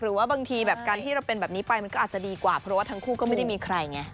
บางทีแบบการที่เราเป็นแบบนี้ไปมันก็อาจจะดีกว่าเพราะว่าทั้งคู่ก็ไม่ได้มีใครไง